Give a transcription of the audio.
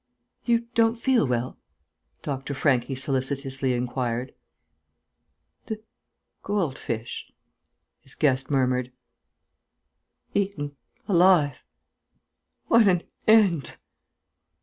"You don't feel well?" Dr. Franchi solicitously inquired. "The gold fish," his guest murmured. "Eaten alive ... what an end!"